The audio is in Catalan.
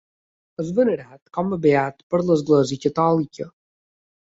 És venerat com a beat per l'Església Catòlica.